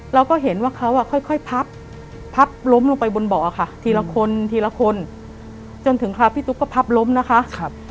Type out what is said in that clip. เราก็เห็นว่าเขาค่อยพับพับล้มลงไปบนเบาะค่ะทีละคนทีละคนจนถึงคราวพี่ตุ๊กก็พับล้มนะคะ